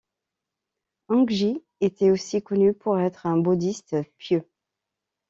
Hongji était aussi connu pour être un bouddhiste pieux.